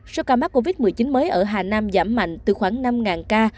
số ca mắc covid một mươi chín mới ở hà nam giảm mạnh từ khoảng năm ca